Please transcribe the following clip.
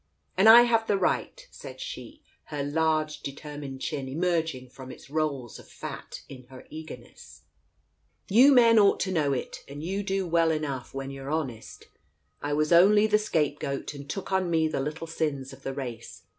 "And I have the right; " said she, her large determined chin emerging from its rolls of fat in her eagerness. Digitized by Google THE COACH 139 "You men ought to know it, and you do well enough, when you're honest. I was only the 'scapegoat, and took on me the little sins of the race.